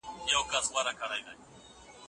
مشاور او مشر دواړه د لارښود مانا ورکوي.